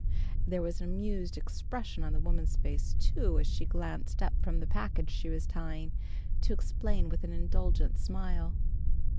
There was an amused expression on the woman's face, too, as she glanced up from the package she was tying, to explain with an indulgent smile.